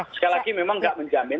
sekali lagi memang nggak menjamin